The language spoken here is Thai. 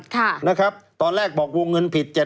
ค่ะนะครับตอนแรกบอกวงเงินผิด